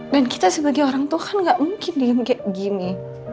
dan kita sebagai orang tuh kan gak mungkin diem kayak gini